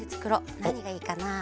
なにがいいかな。